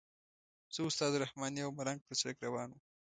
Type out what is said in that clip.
زه استاد رحماني او ملنګ پر سړک روان وو.